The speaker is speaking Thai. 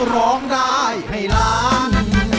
ร้องได้ให้ล้าน